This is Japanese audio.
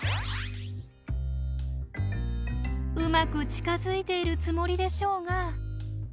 うまく近づいているつもりでしょうが。